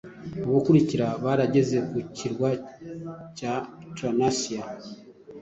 Ubukurikira, barageze ku kirwa ca Thrinacia,